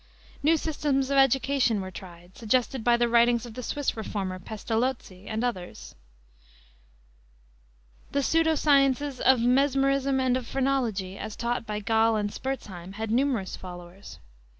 New systems of education were tried, suggested by the writings of the Swiss reformer, Pestalozzi, and others. The pseudo sciences of mesmerism and of phrenology, as taught by Gall and Spurzheim, had numerous followers.